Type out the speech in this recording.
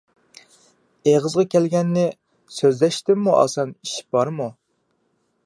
ئېغىزغا كەلگەننى سۆزلەشتىنمۇ ئاسان ئىش بارمۇ؟